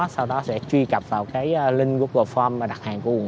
sau đó mình sẽ mang tới cái địa điểm mà người dân đã đặt